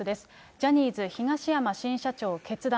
ジャニーズ東山新社長決断。